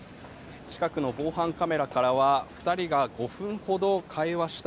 近くの防犯カメラからは２人が５分ほど会話した